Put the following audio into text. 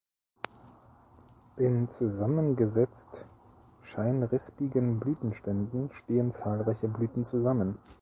In zusammengesetzt-scheinrispigen Blütenständen stehen zahlreiche Blüten zusammen.